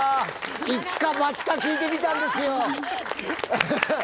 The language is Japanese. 一か八か聞いてみたんですよ。